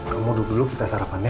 kamu dulu dulu kita sarapan ya